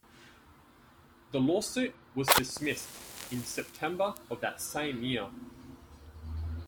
The lawsuit was dismissed in September of that same year.